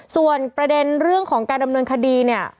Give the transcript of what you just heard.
ส่วนประเด็นเรื่องของการดำเนินคดีเนี่ย